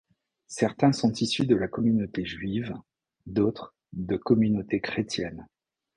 Certains sont issues de la communauté juive, d'autres de communautés chrétiennes.